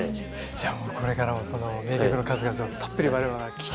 じゃあもうこれからもその名曲の数々をたっぷり我々は聴けると。